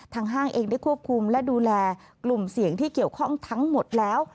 ห้างเองได้ควบคุมและดูแลกลุ่มเสี่ยงที่เกี่ยวข้องทั้งหมดแล้ว